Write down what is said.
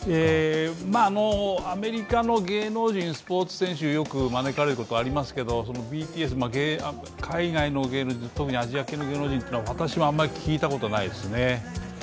アメリカの芸能人、スポーツ選手よく招かれることありますがＢＴＳ、海外の芸能人、特にアジア系の芸能人というのは私もあまり聞いたことがないですね。